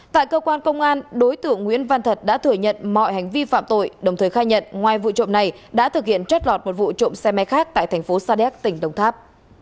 tại cơ quan công an đối tượng nguyễn văn thật đã thừa nhận mọi hành vi phạm tội đồng thời khai nhận ngoài vụ trộm này đã thực hiện trót lọt một vụ trộm xe máy khác tại thành phố sa đéc tỉnh đồng tháp